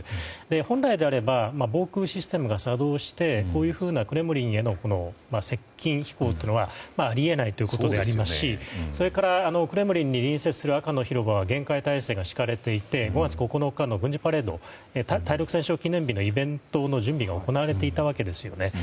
本来であれば防空システムが作動してクレムリンへの接近飛行というのはあり得ないということですしそれから、クレムリンに隣接する赤の広場は厳戒態勢が敷かれていて５月９日の軍事パレード対独戦勝記念日のイベントの準備が行われていたわけですね。